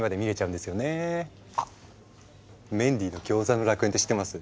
あっ「メンディーのギョーザの楽園」って知ってます？